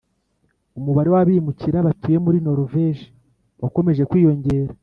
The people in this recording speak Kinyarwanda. umubare w abimukira batuye muri Noruveje wakomeje kwiyongera